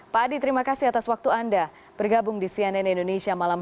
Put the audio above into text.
pak adi selamat malam